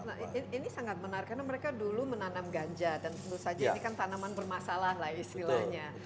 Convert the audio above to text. nah ini sangat menarik karena mereka dulu menanam ganja dan tentu saja ini kan tanaman bermasalah lah istilahnya